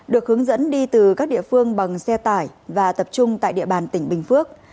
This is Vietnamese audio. được hướng dẫn đi từ các địa phương bằng xe tải và tập trung tại địa bàn tỉnh bình phước